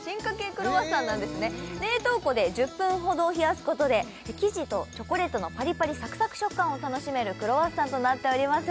クロワッサンなんですね冷凍庫で１０分ほど冷やすことで生地とチョコレートのパリパリサクサク食感を楽しめるクロワッサンとなっております